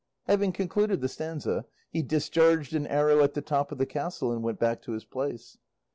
Having concluded the stanza he discharged an arrow at the top of the castle, and went back to his place.